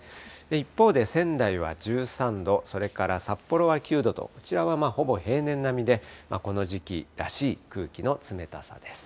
一方で、仙台は１３度、それから札幌は９度と、こちらはほぼ平年並みで、この時期らしい空気の冷たさです。